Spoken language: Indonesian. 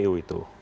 di kpu itu